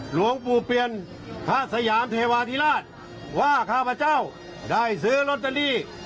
หลวงปู่เปลี่ยนพระสยามเทวาธิราชว่าข้าพเจ้าได้ซื้อลอตเตอรี่